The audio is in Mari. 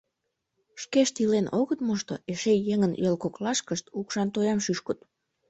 Шкешт илен огыт мошто, эше еҥын йол коклашкышт укшан тоям шӱшкыт.